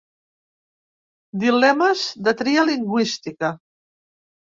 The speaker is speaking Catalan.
Dilemes de tria lingüística.